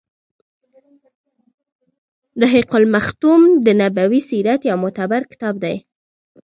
رحيق المختوم د نبوي سیرت يو معتبر کتاب دی.